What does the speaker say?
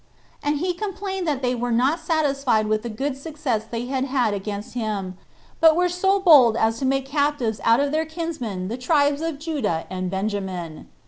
And he complained that they were not satisfied with the good success they had had against him, but were so bold as to make captives out of their kinsmen the tribes of Judah and Benjamin.